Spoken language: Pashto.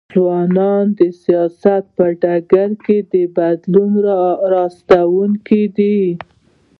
ځوانان د سیاست په ډګر کي د بدلون راوستونکي دي.